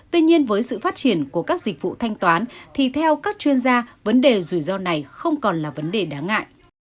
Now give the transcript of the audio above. tuy nhiên với sự phát triển của các dịch vụ thanh toán thì theo các chuyên gia vấn đề rủi ro này không còn là vấn đề đáng ngại